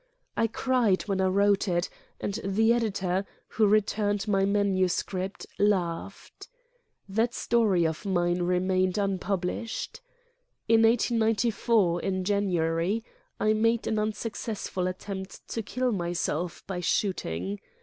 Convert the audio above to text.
I cried when I wrote it, and the editor, who returned my manuscript, laughed. That story of mine remained unpublished. ... In 1894, in January, I made an unsuccessful at tempt to kill myself by shooting.